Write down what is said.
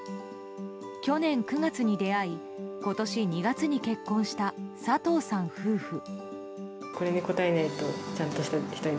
去年９月に出会い今年２月に結婚した佐藤さん夫婦。